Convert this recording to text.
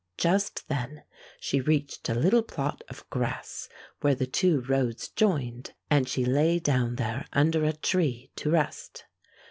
Just then she reached a little plot of grass where the two roads joined, and she lay down there under a tree to rest.